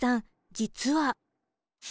実は。